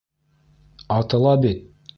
Атыла бит!